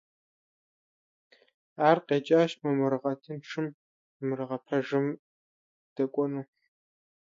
Он призван содействовать построению более безопасного и справедливого мира.